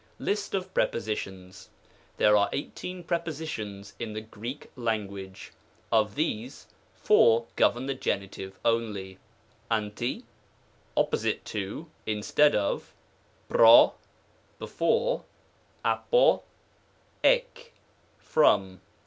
LIST OF PREPOSmONS. There are eighteen Prepositions in the Greek Lan guage; of these. Four govern the Gen. only : dwiy opposite to^ in stead of; ngo, before ; uTto, ix, from.